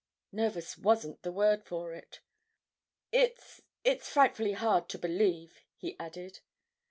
Nervous wasn't the word for it. "It's—it's frightfully hard to believe," he added.